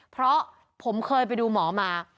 เพราะผมเคยไปดูหมอมา